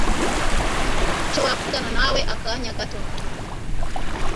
Nshobora kuvugana nawe akanya gato?